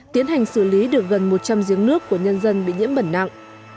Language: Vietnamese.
tiến hành xử lý được gần một trăm linh giếng nước của nhân dân bị nhiễm bẩn nặng